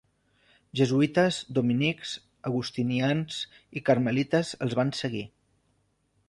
Jesuïtes, dominics, agustinians i carmelites els van seguir.